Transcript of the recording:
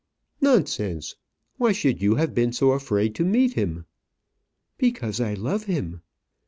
"Nonsense! Why should you have been so afraid to meet him?" "Because I love him."